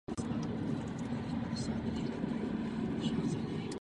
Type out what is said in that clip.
V současné době se dům nepoužívá.